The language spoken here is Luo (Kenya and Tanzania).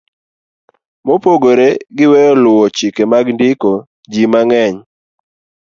Mopogore gi weyo luwo chike mag ndiko, ji mang'eny